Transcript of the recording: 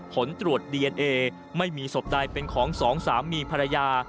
ผลตรวจดีเอนเอไม่มีศพใดเป็นของสองสามีภรรยา